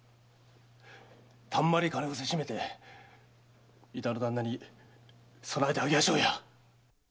たんまり金をせしめて井田の旦那に供えてあげやしょうや！